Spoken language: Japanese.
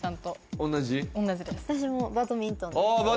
私もバドミントンですあー